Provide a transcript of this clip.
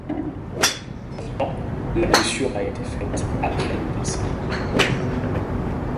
Pourtant, la blessure a été faite après le décès.